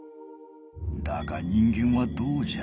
だが人間はどうじゃ。